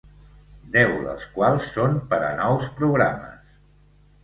Deu dels quals són per a nous programes.